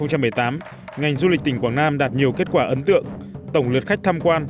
năm hai nghìn một mươi tám ngành du lịch tỉnh quảng nam đạt nhiều kết quả ấn tượng tổng lượt khách tham quan